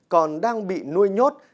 còn đang bị nuôi nhốt